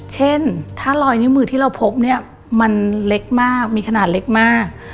เช่นถ้าลอยนิ้วมือที่เราพบเนี่ยมันเล็กมากมีขนาดเล็กมาก